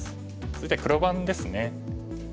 続いては黒番ですね。